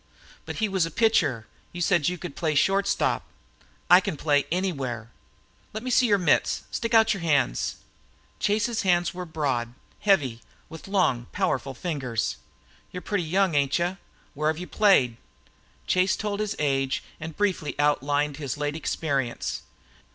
"But he was a pitcher. You said you could play short." "I can play anywhere." "Let me see your mitts; stick out your hands." Chase's hands were broad, heavy, with long, powerful fingers. "You're pretty young, ain't you? Where have you played?" Chase told his age and briefly outlined his late experience.